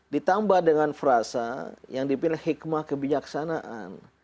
ditambah dengan frasa yang dipilih hikmah kebijaksanaan